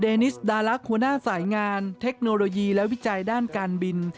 นิสดาลักษณ์หัวหน้าสายงานเทคโนโลยีและวิจัยด้านการบิน